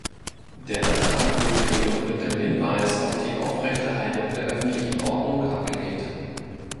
Der Antrag wurde jedoch mit dem Hinweis auf die Aufrechterhaltung der öffentlichen Ordnung abgelehnt.